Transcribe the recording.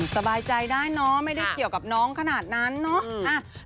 สบายใจได้เนาะไม่ได้เกี่ยวกับน้องขนาดนั้นเนาะ